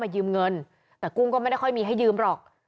ยืมเงินแต่กุ้งก็ไม่ได้ค่อยมีให้ยืมหรอก